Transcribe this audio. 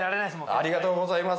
ありがとうございます。